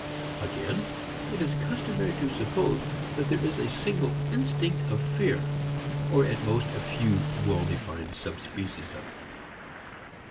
Again it is customary to suppose that there is a single instinct of fear, or at most a few well defined sub species of it.